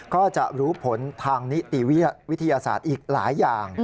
ก็จะรู้ผลทางนิติวิทยาศาสตร์อีกหลายอย่าง